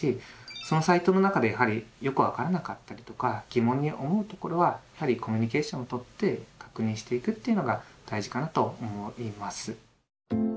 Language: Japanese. そのサイトの中でよく分からなかったりとか疑問に思うところはやはりコミュニケーションをとって確認していくというのが大事かなと思います。